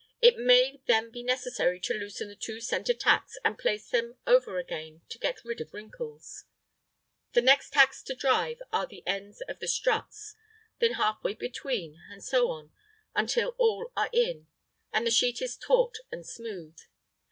It may then be necessary to loosen the two centre tacks and place them over again, to get rid of wrinkles. The next tacks to drive are at the ends of the struts; then half way between; and so on until all are in, and the sheet is taut and smooth.